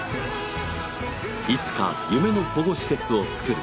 いつか夢の保護施設を造る。